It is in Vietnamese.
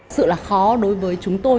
sự khó đối với chúng tôi